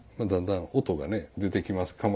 だんだん音がね出てきます。